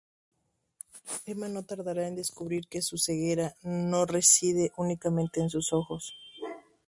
Emma no tardará en descubrir que su ceguera no reside únicamente en sus ojos.